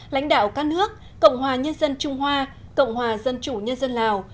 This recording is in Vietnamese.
lãnh đạo các nước cộng hòa nhân dân trung hoa cộng hòa dân chủ nhân dân lào